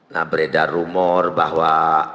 nah beredar rumor bahwa